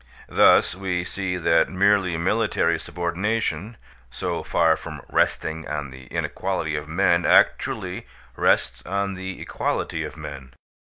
Thus, we see that merely military subordination, so far from resting on the inequality of men, actually rests on the equality of men.